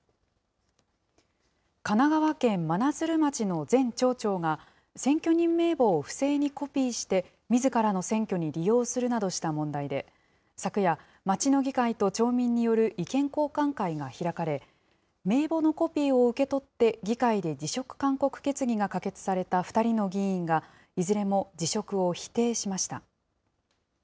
神奈川県真鶴町の前町長が、選挙人名簿を不正にコピーして、みずからの選挙に利用するなどした問題で、昨夜、町の議会と町民による意見交換会が開かれ、名簿のコピーを受け取って、議会で辞職勧告決議が可決された２人の議員が、いずれも辞職を否定しました。